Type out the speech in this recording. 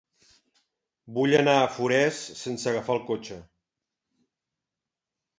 Vull anar a Forès sense agafar el cotxe.